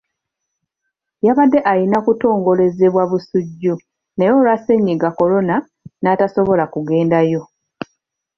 Yabadde erina kutongolezebwa Busujju naye olwa ssennyiga Corona ne batasobola kugendayo.